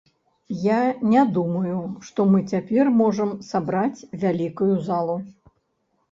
Я не думаю, што мы цяпер можам сабраць вялікую залу.